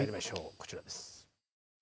こちらです。